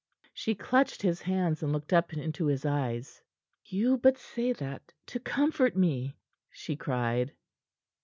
She clutched his hands, and looked up into his eyes. "You but say that to comfort me!" she cried.